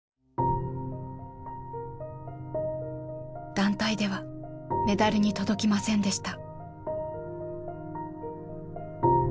団体ではメダルに届きませんでした。